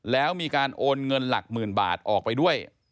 แล้วมีการโอนเงินหลักหมื่นบาทออกไปด้วย